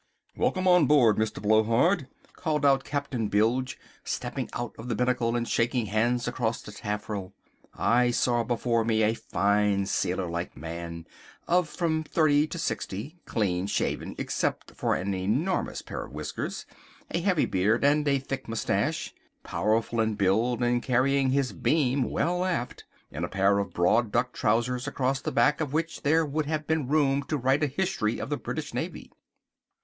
"Welcome on board, Mr. Blowhard," called out Captain Bilge, stepping out of the binnacle and shaking hands across the taffrail. Illustration: "Welcome on board, Mr. Blowhard" I saw before me a fine sailor like man of from thirty to sixty, clean shaven, except for an enormous pair of whiskers, a heavy beard, and a thick moustache, powerful in build, and carrying his beam well aft, in a pair of broad duck trousers across the back of which there would have been room to write a history of the British Navy.